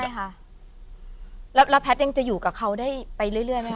ใช่ค่ะแล้วแพทย์ยังจะอยู่กับเขาได้ไปเรื่อยไหม